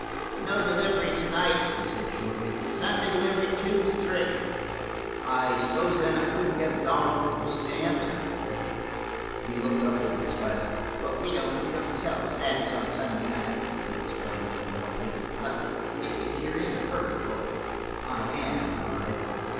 "No delivery to night," he said shortly. "Sunday delivery, two to three." "I suppose, then, I couldn't get a dollar's worth of stamps," I regretted. He looked up over his glasses. "We don't sell stamps on Sunday nights," he explained, more politely. "But if you're in a hurry for them–" "I am," I lied.